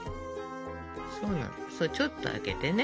ちょっと空けてね。